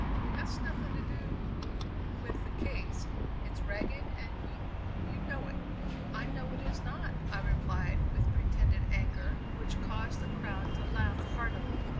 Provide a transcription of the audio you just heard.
"That's nothing to do w w with the case; it's ragged, and y y you know it." "I know it is not," I replied, with pretended anger, which caused the crowd to laugh heartily.